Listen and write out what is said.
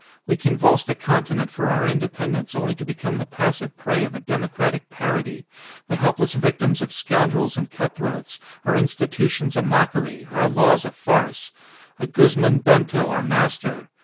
We convulsed a continent for our independence only to become the passive prey of a democratic parody, the helpless victims of scoundrels and cut throats, our institutions a mockery, our laws a farce a Guzman Bento our master!